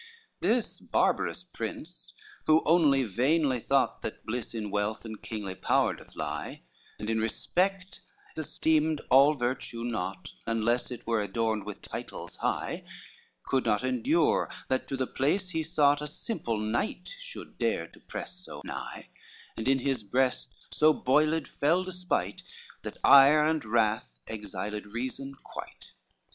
XVII This barbarous prince, who only vainly thought That bliss in wealth and kingly power doth lie, And in respect esteemed all virtue naught Unless it were adorned with titles high, Could not endure, that to the place he sought A simple knight should dare to press so nigh; And in his breast so boiled fell despite, That ire and wrath exiled reason quite.